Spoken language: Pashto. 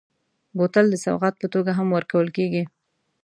بوتل د سوغات په توګه هم ورکول کېږي.